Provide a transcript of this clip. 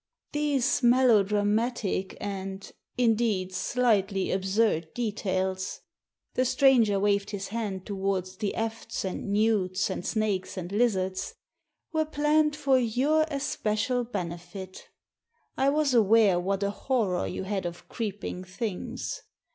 " These melodramatic and, indeed, slightly absurd details" — the stranger waved his hand towards the efts, and newts, and snakes, and lizards — ^*'were planned for your especial benefit I was aware what a horror you had of creeping things.